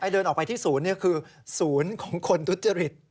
เดินออกไปที่ศูนย์คือศูนย์ของคนทุจริต